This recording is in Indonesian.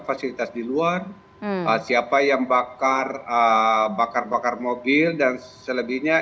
fasilitas di luar siapa yang bakar bakar bakar mobil dan selebihnya